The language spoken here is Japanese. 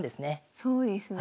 そうですね。